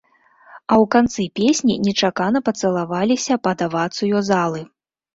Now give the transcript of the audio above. А ў канцы песні нечакана пацалаваліся пад авацыю залы.